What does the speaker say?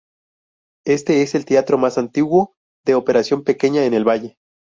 Este es el teatro más antiguo de operación pequeña en el valle.